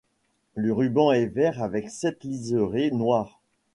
Le ruban est vert avec sept liserés noirs.